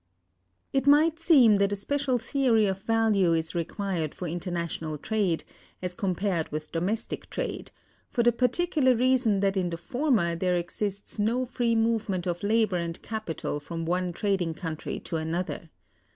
It might seem that a special theory of value is required for international trade, as compared with domestic trade, for the particular reason that in the former there exists no free movement of labor and capital from one trading country to another.